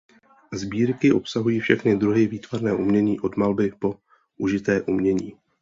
Sbírky obsahují všechny druhy výtvarného umění od malby po užité umění.